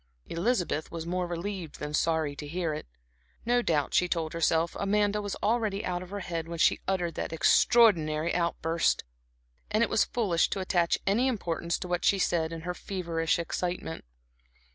Elizabeth was more relieved than sorry to hear it. No doubt, she told herself, Amanda was already out of her head when she uttered that extraordinary outburst, and it was foolish to attach any importance to what she said in her feverish excitement.